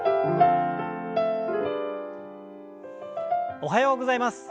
おはようございます。